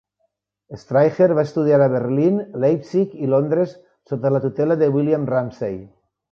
Estreicher va estudiar a Berlín, Leipzig i Londres sota la tutela de William Ramsay.